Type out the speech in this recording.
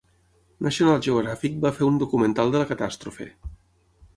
National Geographic va fer un documental de la catàstrofe.